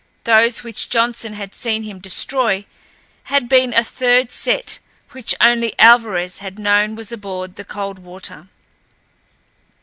Those which Johnson had seen him destroy had been a third set which only Alvarez had known was aboard the Coldwater.